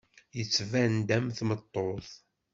Yettban-d am tmeṭṭut.